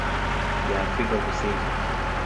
ya Afrika Kusini.